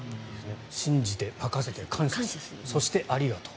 信じて任せて感謝するそして、ありがとう。